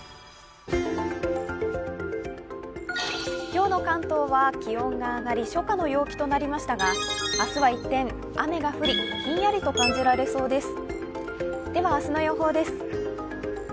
今日の関東は気温が上がり、初夏の陽気となりましたが、明日は一転、雨が降り、ひんやりと感じられそうです。